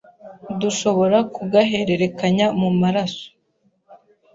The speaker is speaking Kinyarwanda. dushobora kugahererekanya mu maraso